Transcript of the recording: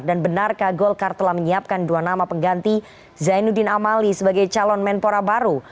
dan benarkah golkar telah menyiapkan dua nama pengganti zainuddin amali sebagai calon menpora baru